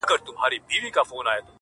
نورې واړه پوؤنده دي او غوښینې